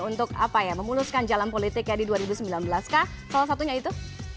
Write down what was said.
untuk apa ya memuluskan jalan politiknya di dua ribu sembilan belas kah salah satunya itu